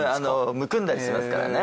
むくんだりしますからね。